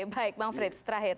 baik bang frits terakhir